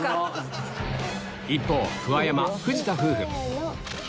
一方桑山・藤田夫婦